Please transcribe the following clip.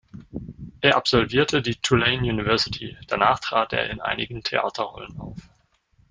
Er absolvierte die Tulane University; danach trat er in einigen Theaterrollen auf.